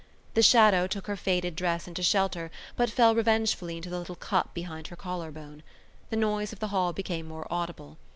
The shadow took her faded dress into shelter but fell revengefully into the little cup behind her collar bone. The noise of the hall became more audible.